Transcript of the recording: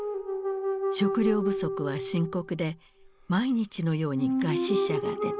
食料不足は深刻で毎日のように餓死者が出た。